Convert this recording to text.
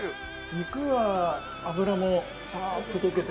肉は脂もサっと溶けて。